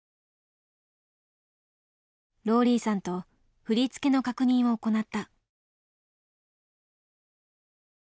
ローリーさんと振り付けの確認を行った。